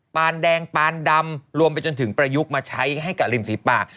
ปานแดงปานดำรวมไปจนถึงประยุกต์มาใช้ให้กับริมฝีปาก